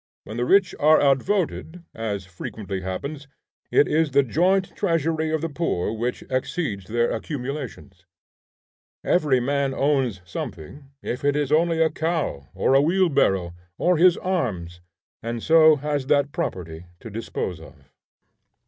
When the rich are outvoted, as frequently happens, it is the joint treasury of the poor which exceeds their accumulations. Every man owns something, if it is only a cow, or a wheel barrow, or his arms, and so has that property to dispose of.